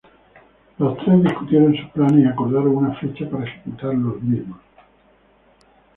Los tres discutieron sus planes y acordaron una fecha para ejecutar los planes.